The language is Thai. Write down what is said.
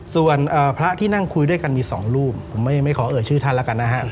ส่วนพระที่นั่งคุยด้วยกันมี๒รูปผมไม่ขอเอ่ยชื่อท่านแล้วกันนะฮะ